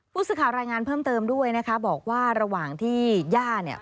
ผู้สื่อข่าวรายงานเพิ่มเติมด้วยนะคะบอกว่าระหว่างที่ย่าเนี่ย